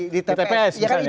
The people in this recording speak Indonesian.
di tps misalnya